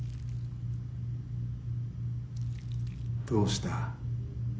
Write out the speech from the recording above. どうした？